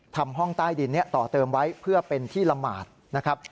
ทำห้องใต้ดินต่อเติมไว้เพื่อเป็นที่ละหมาดนะครับ